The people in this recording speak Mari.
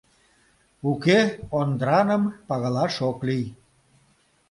«Уке, Ондраным пагалаш ок лий!